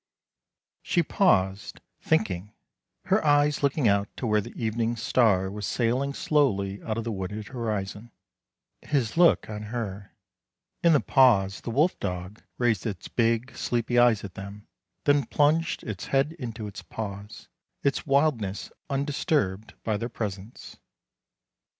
She paused, thinking, her eyes looking out to where the Evening Star was sailing slowly out of the wooded 358 THE LANE THAT HAD NO TURNING horizon, his look on her. In the pause the wolf dog raised its big, sleepy eyes at them, then plunged its head into its paws, its wildness undisturbed by their presence.